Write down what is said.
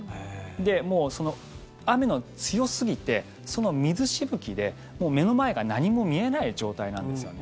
もう、その雨が強すぎてその水しぶきでもう目の前が何も見えない状態なんですよね。